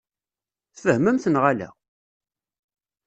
Tfehmemt neɣ ala?